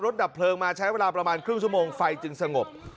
ดับเพลิงมาใช้เวลาประมาณครึ่งชั่วโมงไฟจึงสงบ